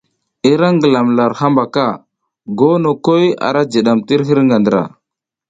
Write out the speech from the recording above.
I ra ngilam lar habaka, gonokoy ara jidam tir hirga ndra.